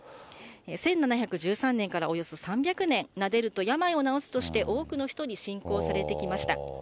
１７１３年からおよそ３００年、なでると病を治すとして多くの人に信仰されてきました。